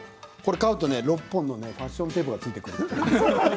買うと６本のファッションテープがついてくるの。